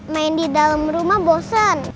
main di dalam rumah bosan